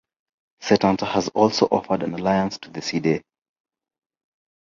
Setanta has also offered an alliance to the Sidhe.